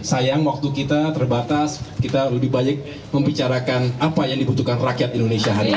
sayang waktu kita terbatas kita lebih baik membicarakan apa yang dibutuhkan rakyat indonesia hari ini